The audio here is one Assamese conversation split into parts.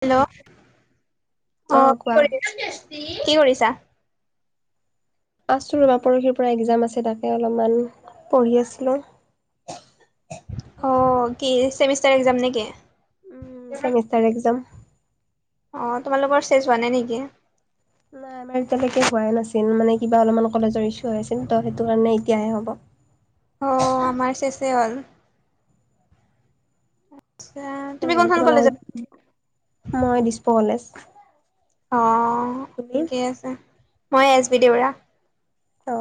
হেল্ল' অ কি কৰি কি কৰিছা আছো ৰবা পৰহিৰ পৰা এক্জাম আছে তাকে অলপমান পঢ়ি আছিলো অ কি চছেমিষ্টাৰ এক্জাম নেকি উম চেমিষ্টাৰ এক্সাম অ তোমালোকৰ চেচ হোৱা নাই নেকি আমাৰ এতিয়ালৈকে হোৱাই নাছিল মানে কিবা অলপমান কলেজৰ এচুহ আছিল ত সেইটো কাৰণে এতিয়াহে হ'ব অ আমাৰ চেচে হ'ল আচ্ছা তুমি অ কোনখন তোমাৰ কলেজত মই দিছপ কলেজ অ তুমি ঠিকে আছে মই এছ বি দেউৰা অ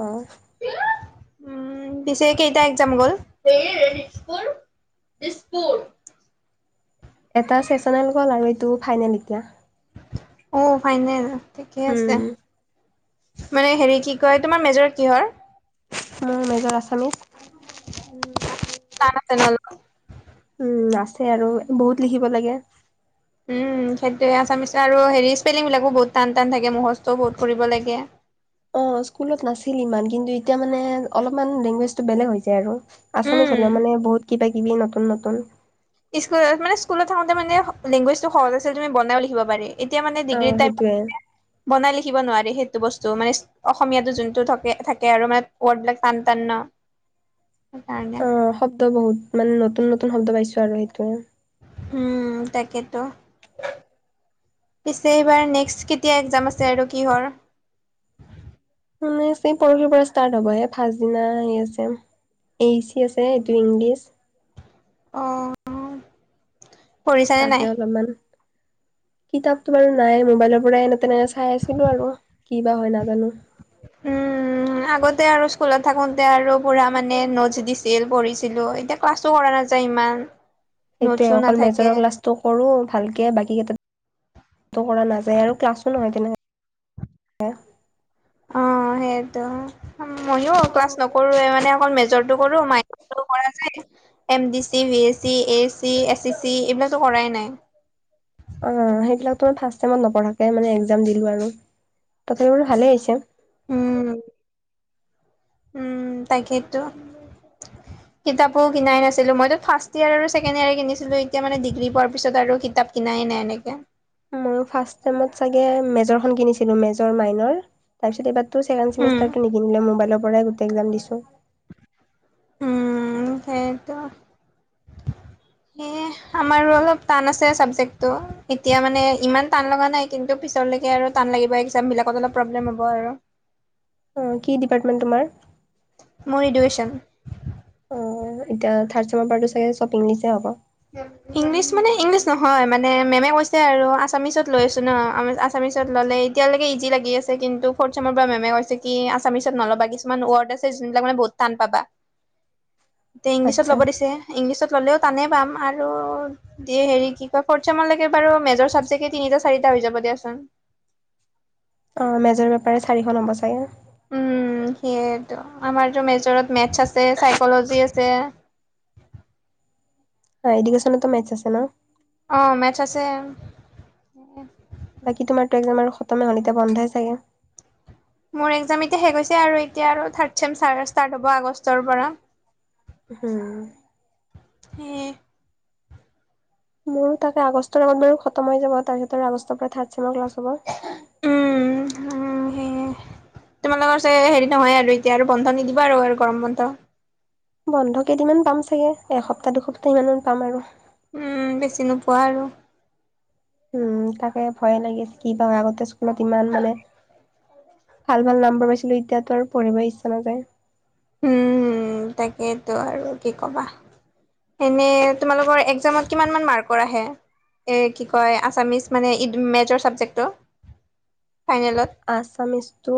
উম উম পিছে কেইটা একজাম গ'ল এটা চেচনেল গ'ল আৰু এইটো ফাইনেল এতিয়া অ ফাইনেল ঠিকেই উম আছে মানে হেৰি কি কয় তোমাৰ মেজৰ কিহৰ মোৰ মেজৰ আছামিছ কাম আছে নহলে উম আছে আৰু বহুত লিখিব লাগে উম সেইটোৱে আছামিচ আৰু হেৰি স্পেলিংবিলাকো বহুত টান টান থাকে মহজটোও বহুত কৰিব লাগে অ স্কুলত নাছিল ইমান কিন্তু এতিয়া মানে অলপমান লেংগুৱেজটো বেলেগ হৈ যায় আৰু আছামিছ উম হ'লেও মানে বহুত কিবা কিবি নতুন নতুন স্কুলত মানে স্কুলত থাকোতে মানে লেংগুৱেজটো সহজ আছিল তুমি বনাইও লিখিব পাৰি এতিয়া মানে অ ডিগ্ৰীৰ টাইমত সেইটোৱে বনাই লিখিব নোৱাৰি সেইটো বস্তু মান অসমীয়া টো যোনটো থাকে আৰু মানে ৱৰ্ড বিলাক টান টান ন [unintelligible] অ শব্দ বহুত মানে নতুন নতুন শব্দ পাইছো আৰু সেইটোৱে। উম তাকেতো। পিছে এইবাৰ নেক্সট কেতিয়া একজাম আছে আৰু কিহৰ। মানে পৰহিৰ পৰা ষ্টাৰ্ট হ'ব এ ফাছদিনা সেই আছে এইচি আছে এইটো ইংলিছ অহ তাকে অলপমান কিতাপতো বাৰু নাই মোবাইলৰ পৰাই এনে তেনেকে চাই আছিলো আৰু কি বা হয় নাজানো তে আৰু স্কুলত থাকোতে আৰু পুৰা মানে নোটছ দিছিল পঢ়িছিলো এতিয়া ক্লাছো কৰা নাযায় ইমান সেইটোয়ে নোটছো অকল নাথাকে মেজৰৰ ক্লাচটো কৰো ভালকে বাকী কেইটাত কৰা নাযায় আৰু ক্লাছো নহয় তেনে। অ সেইটো ময়ো ক্লাছ নকৰোৱে মানে অকল মেজৰটো কৰো মাইন কৰা যায়। M D C, V S C, A A C, S A C, এইবিলাকো কৰাই নাই। অ সেইবিলাকতো ফাৰ্ষ্ট চেমত নপঢ়াকে মানে একজাম দিলো আৰু তহত এইবোৰ ভালেই আহিছে উম উম তাকেইতো। কিতাপো কিনাই নাছিলো মইতো ফাৰ্ষ্ট ইয়াৰ আৰু ছেকেণ্ড ইয়েৰ কিনিছিলো এতিয়া মানে ডিগ্ৰী পোৱাৰ পিছত আৰু কিতাপ কিনাই নাই এনেকে মই ফাৰ্ষ্ট টাইমত চাগে মেজৰখন কিনিছিলো মেজৰ মাইনৰ তাৰপিছত এইবাৰ ত ছেকেণ্ড উম, চেমিষ্টাৰটো নিকিনিলো মোবাইলৰ পৰাই গোটেই একজাম দিছো। উম সেইটো এ আমাৰো অলপ টান আছে চাবজেক্টটো এতিয়া মানে ইমান টান লগা নাই কিন্তু পিছত আৰু টান লাগিব একজাম বিলাকত অলপ প্ৰব্লেম হ'ব আৰু। অ কি ডিপাৰ্টমেণ্ট তোমাৰ। মোৰ এদুকেচন অ এতিয়া থাৰ্ড চেমৰ পাৰটো চাগে চব ইংলিছ এ হ'ব। ইংলিছ মানে ইংলিছ নহয় মানে মেমে কৈছে আৰু আছামিচত লৈ আছো ন আছা মিছত ল'লে এতিয়ালৈকে ইজি লাগি আছে কিন্তু ফৰ্থ চেমৰ পৰা মেমে কৈছে কি আছামিছত নলবা কিছুমান ৱৰ্ড আছে। যোনবিলাক মানে বহুত টান পাবা এতিয়া ইংলিছত আচ্ছা ল'ব দিছে ইংলিছত ল'লেও টানে পাম আৰু হেৰি কি কয় ফৰ্থ ছেম লৈকে বাৰু মেজৰ চাবজেক্টে তিনিটা চাৰিটা হৈ যাব দিয়াচোন অ মেজৰ পেপাৰে চাৰিখন হব চাগে। উম সেই আমাৰতো মেজৰত মেথছ আছে চাইকলজি আছে। অঁ এডুকেশ্যনতো মেথছ আছে ন অ মেটছ আছে যে বাকী তোমাৰতো একজাম আৰু খতমে হল এতিয়া বন্ধই চাগে। মোৰ একজাম এতিয়া শেষ হৈছে আৰু এতিয়া আৰু থাৰ্ড ছেমষ্টাৰ ষ্টাৰ্ট হ'ব আগষ্টৰ পৰা উম হে মোৰো তাকে আগষ্টৰ আগত মানে খতম হৈ যাব তাৰ ভিতৰ আগষ্টৰ পৰা থাৰ্ত ছেম ক্লাছ হ'ব। উহ হোম হে এ তোমালোকৰ চাগে হেৰি নহয় আৰু এতিয়া আৰু বন্ধ নিদিব আৰু গৰম বন্ধ। বন্ধ কেইদিনমান পাম চাগে এসপ্তাহ দুসপ্তাহ সিমান মান পাম আৰু উ বেছি নোপোৱা আৰু উম তাকে ভয়ে লাগিছে কি বা আগতে স্কুলত ইমান মানে ভাল ভাল নাম্বৰ পাইছিলোঁ এতিয়াতো আৰু পঢ়িব ইচ্ছা নাযায়। উম তাকেইতো আৰু কি কবা এনে তোমালোকৰ একজামত কিমান মান মাৰ্কৰ আহে এ কি কয় আছামিছ মানে ই মেজৰ চাবজেক্টটো ফাইনেলত? আচামিচটো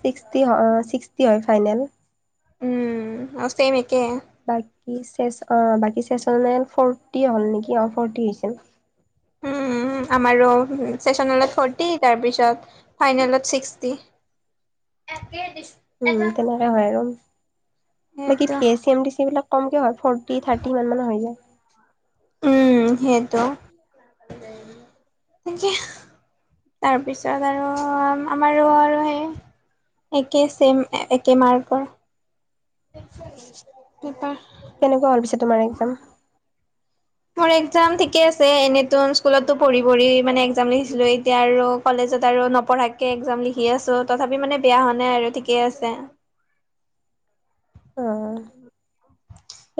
ছিক্সটি হয় ছিক্সটি হয় ফাইনেল উম আছে নেকি? বাকী চেচ অ বাকী চেচ‌ হ'ল নাই ফৰ্তী হ'ল নেকি অ ফৰ্তী হৈছিল উম আমাৰো ছেচনেলত ফ'ৰ্টি তাৰ পিছত ফাইনেলত চিস্কটি একে দিছি উম তেনেকে হয় আৰু বাকি সেইটো V A C M T C বিলাক কমকে হয় ফৰ্টি থাৰ্টি ইমান মানৰ হৈ যায়। উম সেইটো তাকে তাৰপিছত আৰু আমাৰো আৰু সেই একে চেম একে মাৰ্কৰ কেনেকুৱা হল পিছে তোমাৰ একজাম মোৰ একজাম ঠিকে আছে এনেতো স্কুলতো পঢ়ি পঢ়ি মানে একজাম লিখিছিলো এতিয়া আৰু কলেজ তাৰ পাছত আৰু নপঢ়াকে একজাম লিখি আছো তথাপি মানে বেয়া হোৱা নাই আৰু ঠিকেই আছে। অ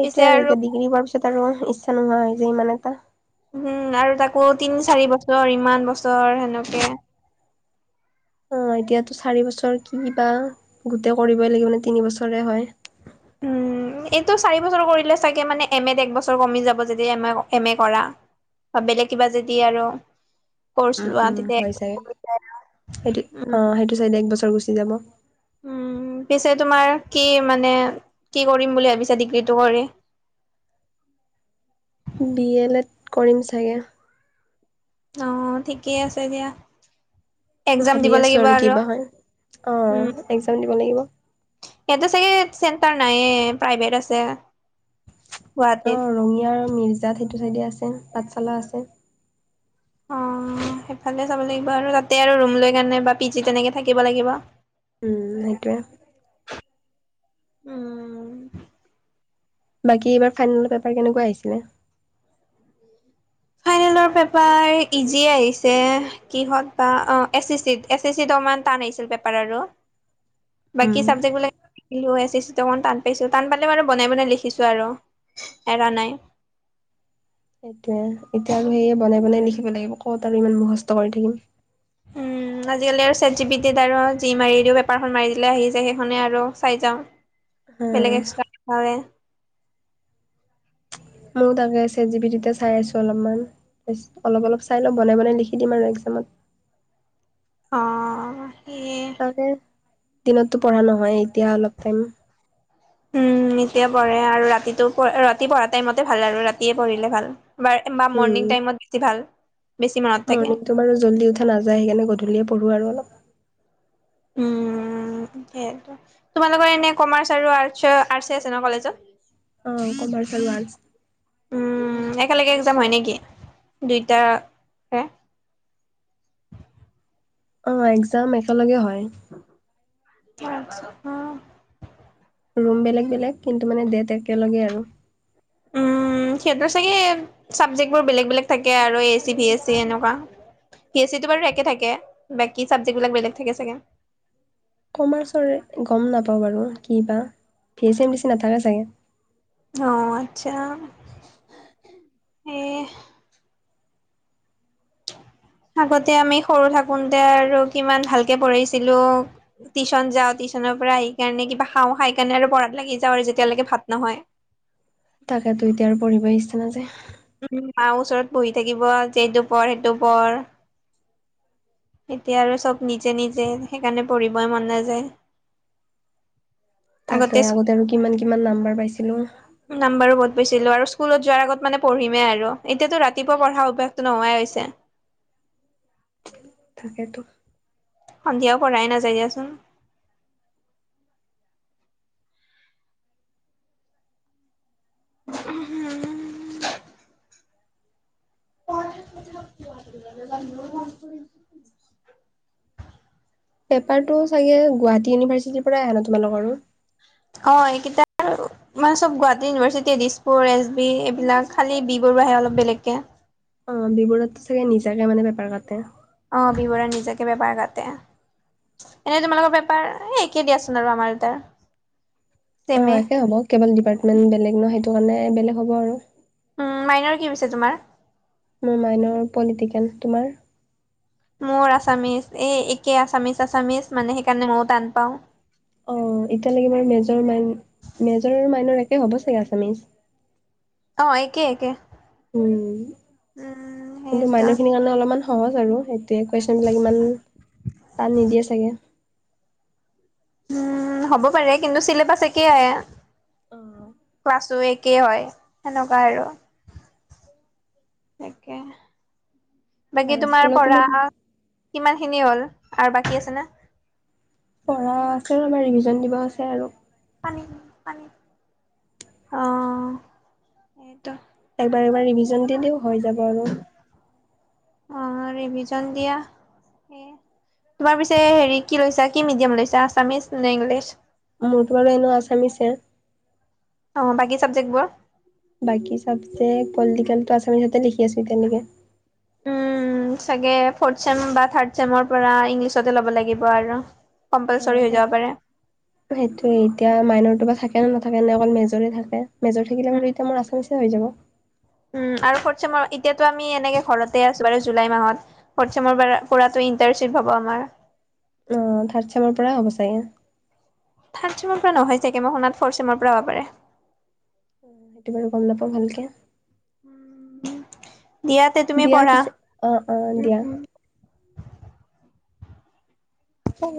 সেইটোৱে আৰু এতিয়া ডিগ্ৰী পোৱাৰ পিছত আৰু ইচ্ছা নোহোৱা হৈ যে ইমান এটা উম আৰু তাকো তিনি চাৰি বছৰ ইমান বছৰ সেনেকে অ এতিয়াতো চাৰি বছৰ কি কিবা গোটেই কৰিবই লাগিব মানে তিনি বছৰে হয়। উম উ এইটো চাৰি বছৰ কৰিলে চাগে মানে এমেত এক বছৰ কমি যাব যেতিয়া এম এ কৰা বা বেলেগ কিবা যদি আৰু কৰ্চ উম লোৱা উম তেতিয়া হয় চাগে সেইটো উম অ সেইটো চাইদে এক বছৰ গুচি যাব। উম পিছে তোমাৰ কি মানে কি কৰিম বুলি ভাবিছা ডিগ্ৰীটো কৰি [inaudible] বি এ লেড কৰিম চাগে অ ঠিকেই আছে দিয়া এক্জাম ভাবি দিব আছোঁ লাগিব আৰু কিবা হয় অ উম, একজাম দিব লাগিব। ইয়াতে চাগে চেণ্টাৰ নাইে প্ৰাইভেট আছে। অ গুৱাহাটীত। ৰঙিয়াৰ মিৰ্জাত সেইটো চাইডে আছে পাঠশালা আছে। অ সেইফালোব লাগ আৰু তাতে আৰু লে পি জি তেনেকে থাকিব লাগিব। উম সেইটোৱে। উম বাকী এইবাৰ ফাইনেলৰ পেপাৰ কেনেকুৱা আহিছিলে। ফাইনেলৰ পেপাৰ ইজিয়ে আহিছে কিহত বা অ A C C A C চিত অকমান টান। পেপাৰ আৰু বাকী উম, চাবজেক্ট বিলাক। খো অকমান টান পাইছো টান পালে ব আৰু বনাই বনাই লিখিছো আৰু এৰা নাই। [inaudible] সেইটোয়ে এতিয়া আৰু সেয়ে বনাই বনাই লিখিব লাগিব কত আৰু ইমান মুখস্থ কৰি থাকিম। উম। আজিকালি আৰু ছেট জি বি টিত আৰু যি মাৰি দিও পেপাৰখন মাৰি দিলে আহি যায় সেইখনে আৰু চাই যাওঁ। হ বেলেগ এক্সট্ৰা খে। ময়ো তাকে চেত জিপিটিতে চাই আছো অলপমান অলপ অলপ চাই লওঁ বনাই বনাই লিখি দিম আৰু এক্সামত। উ অ তাকে দিনতো পঢ়া নহয় এতিয়া অলপ টাইম। উম এতিয়া পঢ়ে আৰু ৰাতিটো ৰাতি পঢ়া টাইমতে ভাল আৰু ৰাতিয়ে পঢ়িলে ভাল। বা বা মৰ্ণিং টাইমত বেছি ভাল। বেছি মনত থাকে মৰ্ণিং তোমাৰ জল্দি উঠা নাযায় সেইকাৰণে গধূলিয়ে পঢ়ো আৰু অলপ। উম। সেইয় তোমালোকৰ এনে কমাৰ্চ আৰু আৰ্ট আছে ন কলেজত। অ কমাৰ্চ আৰু আৰ্টছ। উম একেলগে এক্সাম হয় নেকি দুইটা। [unintelligible] অ এক্সাম একেলগে হয়। কি অ। ৰুম বেলেগ বেলেগ কিন্তু মানে একেলগে আৰু উম, চাগে সিহঁতৰ চাবজেক্ট বোৰ বেলেগ বেলেগ থাকে আৰু A A C V A C এনেকুৱা। পিচিয়েটো বাৰু একে থাকে বাকী চাবজেক্ট বিলাক বেলেগ থাকে চাগে। কমাৰ্চৰ গম নাপাওঁ বাৰু কি বা ভি এইচ এম বে চি নাথাকে চাগে। অ' আচ্ছা। এই। [unintelligible] আগতে আমি সৰু থাকোতে আৰু কিমান ভালকে পঢ়িছিলো টিউশন যাও। ৰ পৰা আহি কিনে কিবা খাওঁ হা খাইকিনে আৰু পঢ়াত লাগি যাওঁ আৰু যেতিয়ালৈকে ভাত নহয়। তাকেতো এতিয়া আৰু পঢ়িব ইচ্ছা নাযায়। উ মাৰ ওচৰত বহি থাকিব আজি এইটো পঢ় সেইটো পঢ়। এতিয়া আৰু চব নিজে নিজে সেইকাৰণে পঢ়িবই মন নাযায়। [inaudible] তাকে আগতে আৰু কিমান কিমান নাম্বাৰ পাইছিলো। নাম্বাৰো বহুত পাইছিলো আৰু স্কুলত যোৱাৰ আগত মানে পঢ়িমেই আৰু এতিয়াতো ৰাতিপুৱা পঢ়া অভ্যাসটো নোহোৱাই হৈছে। [unintelligible] তাকেতো। সন্ধিয়া পঢ়াই নাযায় দিয়াচোন। হম [unintelligible] পেপাৰটো চাগে গুৱাহাটী ইউনিভাৰ্চিটিৰ পৰাই আহে ন তোমালোকৰো। অ একেটাই আৰু মানে চব Guwahati university Dispur S B এইবিলাক খালি বি। হে অলপ বেলেগকে। অ বি বৰুৱা ত চাগে নিজাকে মানে পেপাৰ কাটে। অ বি বৰাত নিজকে পেপাৰ কাটে এনে তোমালোকৰ পেপাৰ এ একেই দিয়াচোন আৰু আমাৰ এ তাৰ অ একে হ'ব কেৱল ডিপাৰ্টমেণ্ট বেলেগ ন সেইটো কাৰণে বেলেগ হ'ব আৰু উ মাইনৰ কি পিছে তোমাৰ মোৰ মাইনৰ পলিটিকেল তোমাৰ মোৰ আচামিজ এই একে আছামিজ আচামিজ মানে সেইকাৰণে মইও টান পাও অ এতিয়ালৈকে মোৰ মেজৰ নাই মেজৰ আৰু মাইনৰ একে হ'ব চাগে আচামিজ অ একে একে উম উম কিন্তু সেইটো মানুহখিনিৰ কাৰণে অলপমান সহজ আৰু সেইটোয়ে কোৱেইছন বিলাক ইমান টান নিদিয়ে চাগে উম হ'ব পাৰে কিন্তু চিলেবাছ একে তাকে ক্লাছো একেই হয় হেনকাই আৰু তাকে বাকী তোমাৰ স্কুলত পঢ়া ইমান কিমান খিনি হ'ল আৰু বাকী আছে নে পঢ়া আছে অলপমান ৰিভিজন দিব আছে আৰু অ সেইটো। একবাৰ একবাৰ ৰিভিজন দিলেও হৈ যাব আৰু। অ ৰিভিজন দিয়া এ। তোমাৰ পিছে হেৰি কি লৈছা কি মিডিয়াম লৈছো আছামিছ নে ইংলিছ? মোৰতো বাৰু এনে আচামিছে? অ বাকী চাবজেক্টবোৰ। বাকী চাবজেক্ট পলিটিকেলো আছামিতে লিখি আছো তেনেকে। উম উম চাগে ফ চেম বা থ্ড চেমৰ পৰা ইংলিছতে ল'ব লাগিব আৰু। অ কম্পালচৰি হৈ সেই যাব পাৰে সেইটোয়ে এতিয়া মাইনৰটো বা থাকে ন ন। থাকে নে অকল মেজৰে থাকে মেজৰ থাকিলে ব এতিয়া মোৰ আছামিছে হৈ যাব। উম আৰু ফট চেমৰ এতিয়া টো তাতেই আছো জুলাই মাহত ফট চেমৰ পৰা ত কি পাব আমাৰ। অ থাৰ্ড চেমৰ পৰা হ'ব চাগে। থাৰ্ড চেমৰ পৰা নহয় চাগে ম শোনাত ফ'ৰথ চেমৰ পৰা হ'ব পাৰে। অ সেইটো বাৰু গম নাপাও ভালকে। উম দিয়াতে তুমি দিয়া পঢ়া। পিছে অ' অ' দিয়া। অ